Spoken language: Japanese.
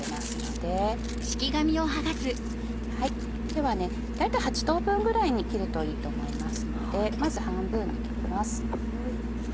では大体８等分ぐらいに切るといいと思いますのでまず半分に切ります。